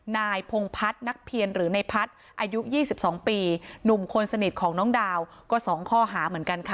นายพงพัฒน์นักเพียรหรือในพัฒน์อายุ๒๒ปีหนุ่มคนสนิทของน้องดาวก็๒ข้อหาเหมือนกันค่ะ